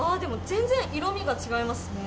全然色味が違いますね。